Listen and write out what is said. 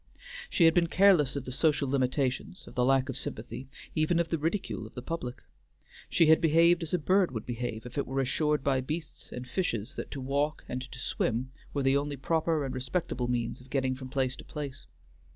She had been careless of the social limitations, of the lack of sympathy, even of the ridicule of the public. She had behaved as a bird would behave if it were assured by beasts and fishes that to walk and to swim were the only proper and respectable means of getting from place to place.